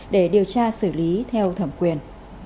để điều tra xử lý theo thẩm quyền